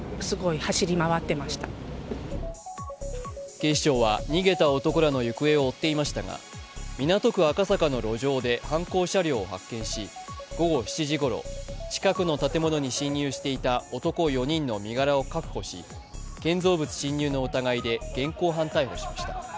警視庁は逃げた男らの行方を追っていましたが、港区赤坂の路上で犯行車両を発見し午後７時ごろ、近くの建物に侵入していた男４人の身柄を確保し、建造物侵入の疑いで現行犯逮捕しました。